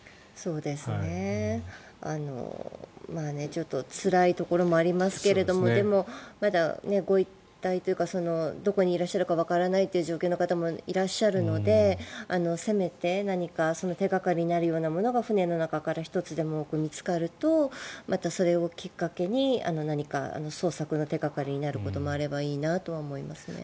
ちょっとつらいところもありますけれどもでも、まだご遺体というかどこにいらっしゃるかわからないという状態の方もいらっしゃるので、せめて何か手掛かりになるようなものが船の中から１つでも多く見つかるとそれをきっかけに何か捜索の手掛かりになることもあればいいなとは思いますね。